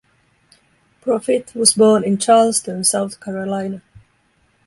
Profit was born in Charleston, South Carolina.